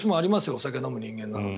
お酒を飲む人間なので。